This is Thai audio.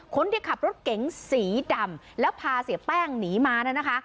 คนที่ขับรถเก๋งสีดำแล้วพาเสียแป้งหนีมาเนี่ยนะคะ